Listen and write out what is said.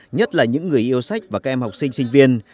nhất là những người yêu sách và các em học sinh sinh viên